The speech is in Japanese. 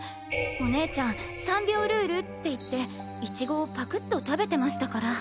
お姉ちゃん３秒ルールって言ってイチゴをパクっと食べてましたから。